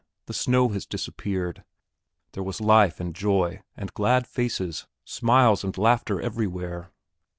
The snow had disappeared. There was life and joy, and glad faces, smiles, and laughter everywhere.